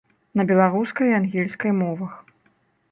На беларускай і ангельскай мовах.